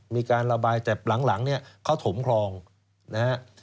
มีการระบายแต่หลังเนี่ยเขาถมคลองนะฮะ